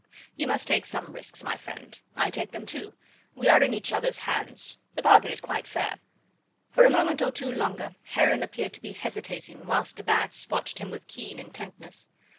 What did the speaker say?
You must take some risks, my friend. I take them too. We are each in the other's hands. The bargain is quite fair." For a moment or two longer Heron appeared to be hesitating whilst de Batz watched him with keen intentness.